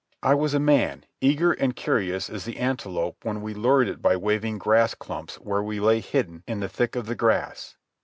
I was a man, eager and curious as the antelope when we lured it by waving grass clumps where we lay hidden in the thick of the grass.